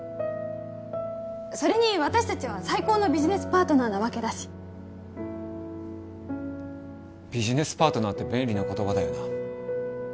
それに私達は最高のビジネスパートナーなわけだしビジネスパートナーって便利な言葉だよな